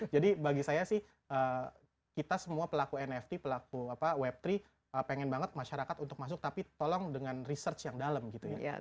jadi bagi saya sih kita semua pelaku nft pelaku web tiga pengen banget masyarakat untuk masuk tapi tolong dengan research yang dalam gitu ya